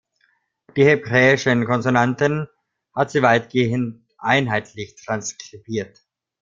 Die hebräischen Konsonanten hat sie weitgehend einheitlich transkribiert.